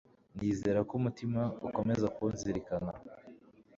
Nizera ko umutima ukomeza kunzirikana